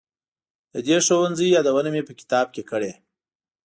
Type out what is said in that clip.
د دې ښوونځي یادونه مې په کتاب کې کړې.